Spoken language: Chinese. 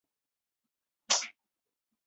康宁汉生于美国俄亥俄州的辛辛那提市。